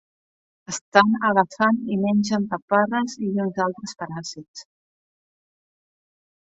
Estan agafant i mengen paparres i uns altres paràsits.